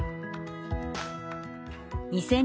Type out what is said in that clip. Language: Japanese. ２，０００